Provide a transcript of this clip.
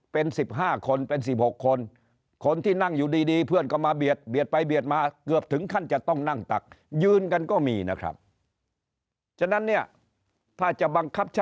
เป็นสิบห้าคนเป็นสิบหกคนคนที่นั่งอยู่ดีเพื่อนก็มาเบียดเบียดไปเบียดมาเกือบถึงขั้นจะต้องนั่งตักยืนกันก็มีนะครับ